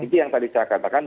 itu yang tadi saya katakan